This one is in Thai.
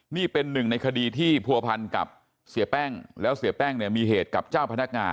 นี่เป็นหนึ่งในคดีที่ผัวพันกับเสียแป้งแล้วเสียแป้งเนี่ยมีเหตุกับเจ้าพนักงาน